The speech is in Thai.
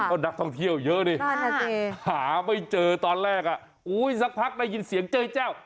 ก็นักท่องเที่ยวเยอะนี่หาไม่เจอตอนแรกสักพักได้ยินเสียงเจ้ยแจ้ว